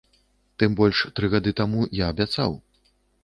Тым больш, тры гады таму я абяцаў.